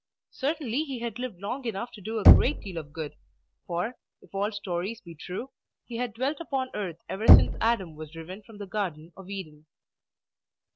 Certainly he had lived long enough to do a great deal of good; for, if all stories be true, he had dwelt upon earth ever since Adam was driven from the garden of Eden.